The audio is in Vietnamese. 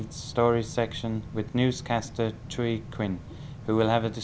chúng tôi sẽ tự nhiên kết thúc một số cuộc bàn gọi